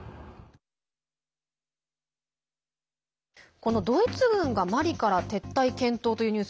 このドイツ軍がマリから撤退検討というニュース